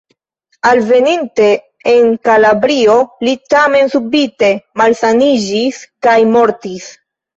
Alveninte en Kalabrio li tamen subite malsaniĝis kaj mortis.